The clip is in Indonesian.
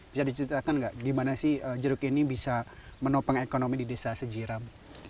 bisa diceritakan bagaimana jeruk ini bisa menopeng ekonomi di desa sejiram